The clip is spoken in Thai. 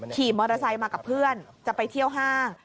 ขี่มอเตอร์ไซค์มากับเพื่อนจะไปเที่ยวห้าง